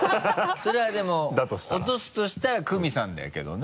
それはでも落とすとしたらクミさんだけどね。